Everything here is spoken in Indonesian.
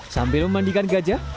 sambil memandikan gajah